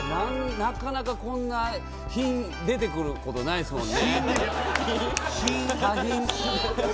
なかなかこんな品数、出てくることないですよね。